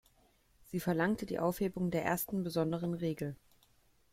Sie verlangte die Aufhebung der ersten besonderen Regel.